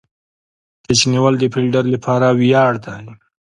کېچ نیول د فیلډر له پاره ویاړ دئ.